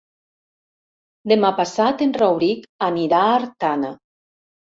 Demà passat en Rauric anirà a Artana.